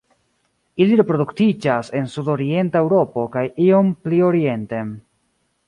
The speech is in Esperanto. Ili reproduktiĝas en sudorienta Eŭropo kaj iom pli orienten.